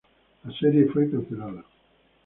La serie fue cancelada.